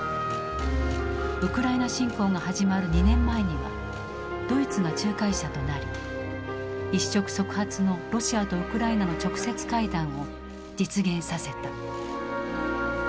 ウクライナ侵攻が始まる２年前にはドイツが仲介者となり一触即発のロシアとウクライナの直接会談を実現させた。